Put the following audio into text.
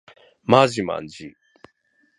まじまんじ